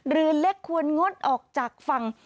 เรือเล็กควรงดออกจากฝั่ง